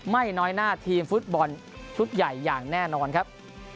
ไม่น้อยหน้าทีมฟุตบอลชุดใหญ่อย่างแน่นอนครับ